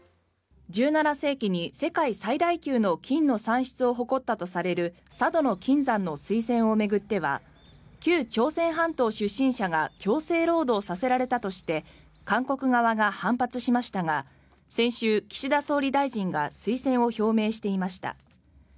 １７世紀に世界最大級の金の産出を誇ったとされる佐渡島の金山の推薦を巡っては旧朝鮮半島出身者が強制労働させられたとして韓国側が反発しましたが先週、岸田総理大臣が推薦を表明していました。